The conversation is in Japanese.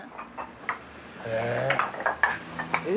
へえ。